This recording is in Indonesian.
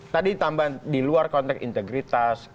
tadi tambahan di luar konteks integritas